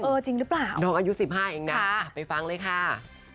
เออจริงหรือเปล่าค่ะไปฟังเลยค่ะน้องอายุ๑๕เองนะ